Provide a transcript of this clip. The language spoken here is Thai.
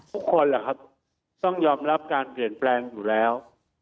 ทุกคนต้องยอมรับการเปลี่ยนแปลงอยู่แล้ว